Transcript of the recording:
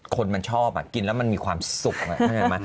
คนมันชอบอ่ะกินแล้วมันมีความสุขไหมท่านเห็นไหม